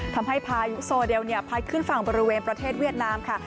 พายุโซเดลพัดขึ้นฝั่งบริเวณประเทศเวียดนามค่ะ